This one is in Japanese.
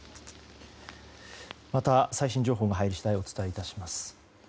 また最新情報が入り次第お伝えします。